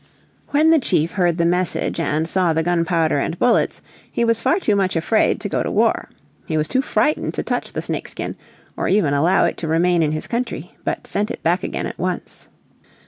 When the chief heard the message and saw the gunpowder and bullets he was far too much afraid to go to war. He was too frightened to touch the snakeskin or even allow it to remain in his country, but sent it back again at once.